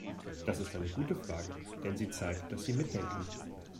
Das ist eine gute Frage, denn sie zeigt, dass Sie mitdenken.